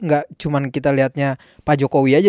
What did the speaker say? gak cuman kita liatnya pak jokowi aja